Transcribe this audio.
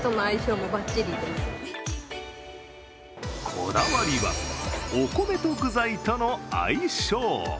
こだわりは、お米と具材との相性。